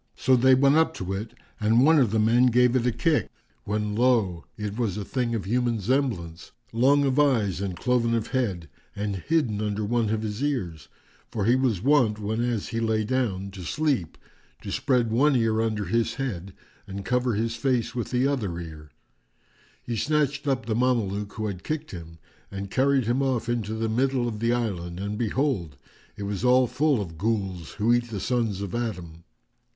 So they went up to it and one of the men gave it a kick, when lo! it was a thing of human semblance, long of eyes and cloven of head and hidden under one of his ears, for he was wont, whenas he lay down to sleep, to spread one ear under his head, and cover his face with the other ear.[FN#402] He snatched up the Mameluke who had kicked him and carried him off into the middle of the island, and behold, it was all full of Ghuls who eat the sons of Adam.